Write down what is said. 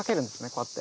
こうやって。